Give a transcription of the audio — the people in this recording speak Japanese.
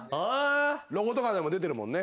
ロゴとかでも出てるもんね。